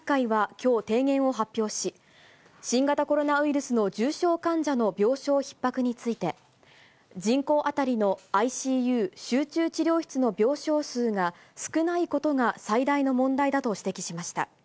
日本集中治療医学会は、きょう提言を発表し、新型コロナウイルスの重症患者の病床ひっ迫について、人口当たりのＩＣＵ・集中治療室の病床数が少ないことが最大の問題だと指摘しました。